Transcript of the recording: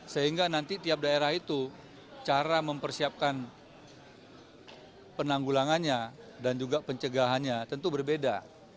sehingga nanti tiap daerah itu cara mempersiapkan penanggulangannya dan juga pencegahannya tentu berbeda